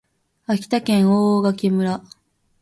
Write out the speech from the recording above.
秋田県大潟村